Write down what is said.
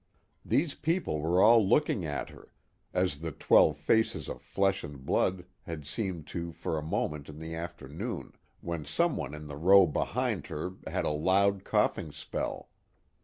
These people were all looking at her, as the twelve faces of flesh and blood had seemed to for a moment in the afternoon, when someone in the row behind her had a loud coughing spell.